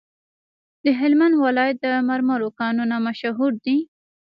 د هلمند ولایت د مرمرو کانونه مشهور دي؟